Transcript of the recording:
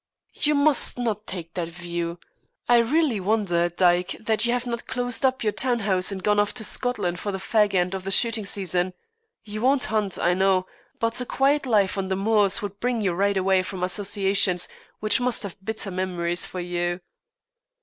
"You must not take that view. I really wonder, Dyke, that you have not closed up your town house and gone off to Scotland for the fag end of the shooting season. You won't hunt, I know, but a quiet life on the moors would bring you right away from associations which must have bitter memories for you."